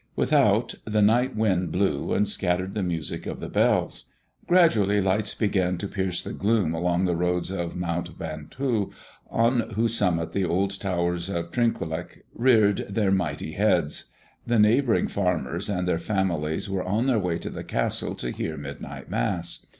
Without, the night wind blew, and scattered the music of the bells. Gradually lights began to pierce the gloom along the roads of Mount Ventoux, on whose summit the old towers of Trinquelague reared their mighty heads. The neighboring farmers and their families were on their way to the castle to hear midnight Mass.